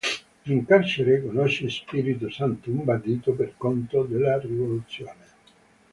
In carcere conosce Spirito Santo, un bandito per conto della rivoluzione.